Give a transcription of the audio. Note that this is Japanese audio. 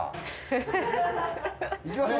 いきますよ。